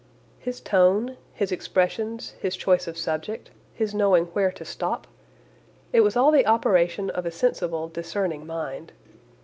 His tone, his expressions, his choice of subject, his knowing where to stop; it was all the operation of a sensible, discerning mind.